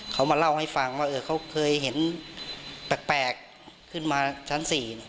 เขามาเล่าให้ฟังว่าเขาเคยเห็นแปลกขึ้นมาชั้น๔